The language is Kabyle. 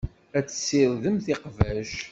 Ad tessirdemt iqbac.